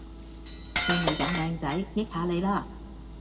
見你咁靚仔，益吓你啦